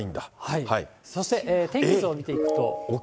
そして、天気図を見ていくと。